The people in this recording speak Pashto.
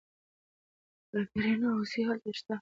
پریړونه او هوسۍ هلته شته.